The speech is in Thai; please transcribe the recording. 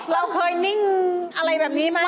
เราเคยนิ่งอะไรแบบนี้ไหม